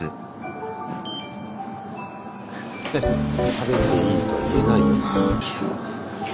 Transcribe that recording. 食べていいとは言えないよな。